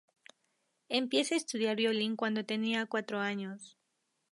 Empieza a estudiar violín cuando tenía cuatro años.